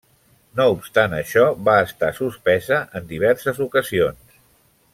No obstant això, va estar suspesa en diverses ocasions.